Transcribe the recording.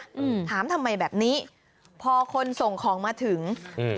อืมถามทำไมแบบนี้พอคนส่งของมาถึงอืม